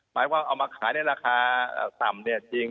หมายความเอามาขายในราคาต่ำเนี่ยจริง